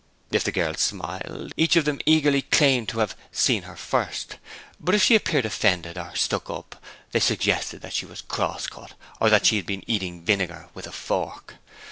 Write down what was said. If the girl smiled, each of them eagerly claimed to have 'seen her first', but if she appeared offended or 'stuck up', they suggested that she was cross cut or that she had been eating vinegar with a fork.